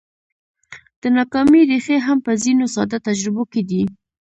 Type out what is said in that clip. د ناکامۍ ريښې هم په ځينو ساده تجربو کې دي.